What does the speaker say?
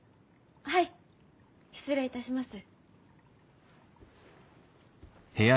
はい失礼いたします。